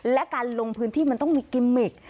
และการลงพื้นที่มันต้องมีกิมมิก